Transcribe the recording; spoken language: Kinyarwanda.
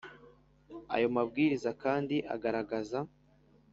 ayo mabwiriza kandi agaragaza